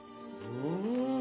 うん。